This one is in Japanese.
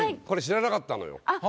これ知らなかったのよ。